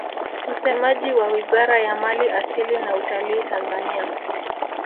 Msemaji wa Wizara ya mali asili na utalii Tanzania